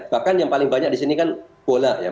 bahkan yang paling banyak di sini kan bola ya